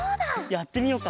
やってみようか。